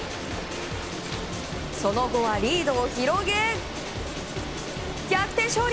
その後はリードを広げ逆転勝利。